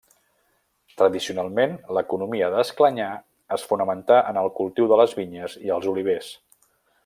Tradicionalment l'economia d'Esclanyà es fonamentà en el cultiu de les vinyes i els olivers.